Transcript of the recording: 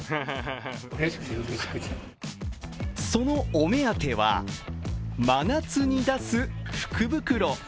そのお目当ては、真夏に出す福袋。